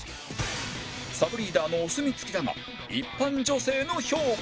サブリーダーのお墨付きだが一般女性の評価は？